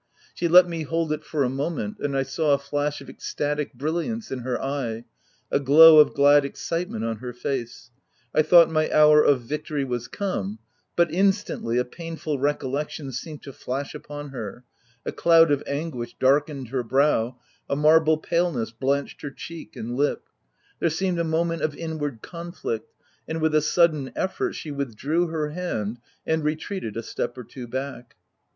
She let me hold it for a moment, and I saw a flash of extatic brilliance in her eye, a OF WILDFELL HALL. 183 glow of glad excitement on her face — I thought my hour of victory was come — but instantly, a painful recollection seemed to flash upon her ; a cloud of anguish darkened her brow, a marble paleness blanched her cheek and lip ; there seemed a moment of inward conflict, — and with a sudden effort, she withdrew her hand, and retreated a step or two back.